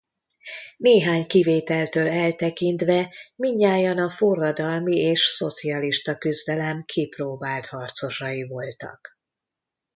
Néhány kivételtől eltekintve mindnyájan a forradalmi és szocialista küzdelem kipróbált harcosai voltak.